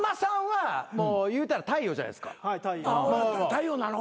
太陽なの？